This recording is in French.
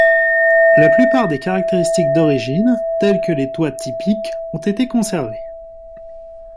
La plupart des caractéristiques d'origine, tels que les toits typiques, ont été conservés.